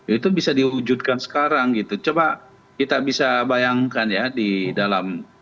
itu bisa diwujudkan sekarang gitu coba kita bisa bayangkan ya di dalam